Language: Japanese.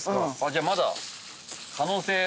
じゃあまだ。